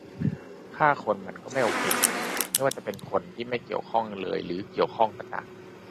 ฆ่าคนมันก็ไม่โอเคอะ ไม่ว่าจะเป็นคนที่ไม่เกี่ยวข้องเลยหรือเกี่ยวข้องก็ตาม